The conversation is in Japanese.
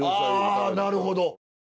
あなるほど。